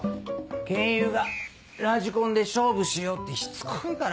賢雄がラジコンで勝負しようってしつこいから。